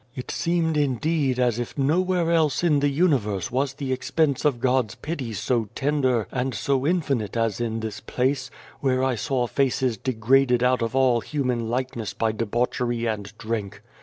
It seemed indeed as if nowhere else in the universe was the expense of God's pity so tender and so infinite as in this place, where I saw faces degraded out of all human likeness by debauchery and drink.